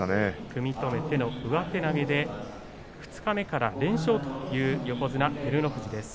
踏み込んで上手投げで二日目から連勝という横綱照ノ富士です。